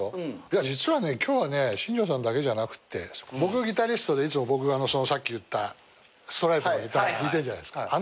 実はね今日はね新庄さんだけじゃなくって僕ギタリストでいつも僕がさっき言ったストライプのギター弾いてるじゃないすか。